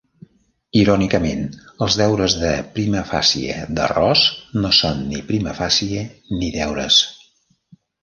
Irònicament, els deures de prima facie de Ross no són ni prima facie ni deures.